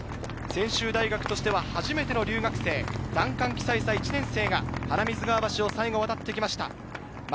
専修大学としては初めての留学生、ダンカン・キサイサ１年生が花水川橋を最後、渡っていきました。